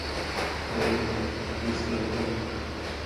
Nej, visst inte.